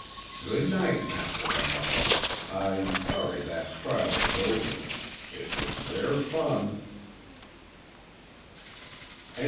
"Good night, Master Lamont. I am sorry that trial is over. It was rare fun!"